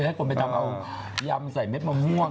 ให้คนไปทำเอายำใส่เม็ดมะม่วง